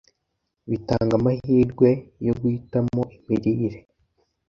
bitanga amahirwe yo guhitamo imirire